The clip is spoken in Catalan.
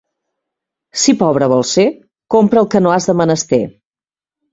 Si pobre vols ser, compra el que no has de menester.